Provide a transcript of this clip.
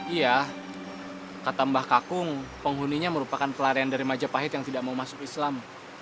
iya kata mbah kakung penghuninya merupakan pelarian dari majapahit yang tidak mau masuk islam